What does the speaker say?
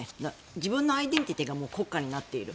自分のアイデンティティーが国家になっている。